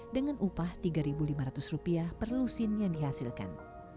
dengan upah rp tiga lima ratus per lusin yang dihasilkan